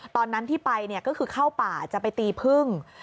ตอนนั้นที่ไปก็คือเข้าป่าจะไปตีพึ่ง